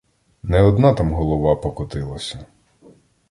Не одна там голова покотилася.